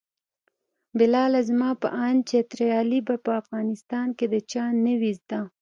بلاله زما په اند چترالي به په افغانستان کې د چا نه وي زده.